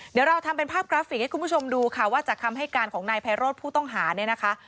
เดี๋ยวเราทำเป็นภาพกราฟิกให้คุณผู้ชมดูค่ะ